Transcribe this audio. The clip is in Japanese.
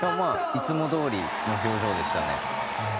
いつもどおりの表情でしたね。